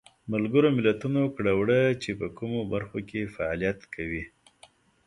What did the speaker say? ملګرو ملتونو کړه وړه چې په کومو برخو کې فعالیت کوي.